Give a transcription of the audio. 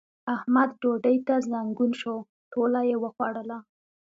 احمد ډوډۍ ته زنګون شو؛ ټوله يې وخوړله.